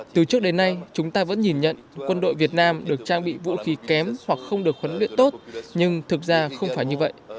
từ trước đến nay chúng ta vẫn nhìn nhận quân đội việt nam được trang bị vũ khí kém hoặc không được khuấn luyện tốt nhưng thực ra không phải như vậy